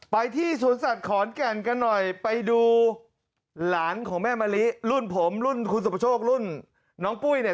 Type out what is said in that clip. ไปที่สวนสัตว์ขอนแก่นกันหน่อยไปดูหลานของแม่มะลิรุ่นผมรุ่นคุณสุประโชครุ่นน้องปุ้ยเนี่ย